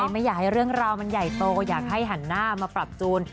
ไม่อยากให้เรื่องราวมันใหญ่โตอยากให้หันหน้ามาปรับจูน